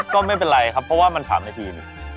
ก็ไม่เป็นไรครับเพราะว่ามัน๓นาที